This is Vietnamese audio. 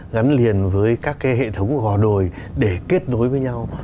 gắn liền với các cái hệ thống gò đồi để kết nối với nhau